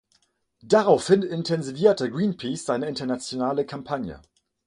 Daraufhin intensivierte Greenpeace seine internationale Kampagne.